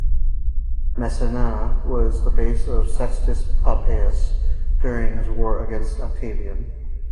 Messana was the base of Sextus Pompeius, during his war against Octavian.